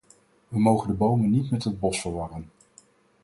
We mogen de bomen niet met het bos verwarren.